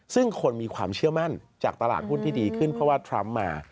ซึ่งคนมีความเชื่อมั่นจากตลาดหุ้นที่ดีขึ้นเพราะว่าทรัมป์มา